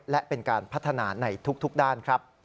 และเป็นการพัฒนาในทุกด้านครับ